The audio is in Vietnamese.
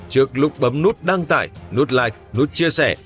trước lúc bấm nút đăng tải nút like nút chia sẻ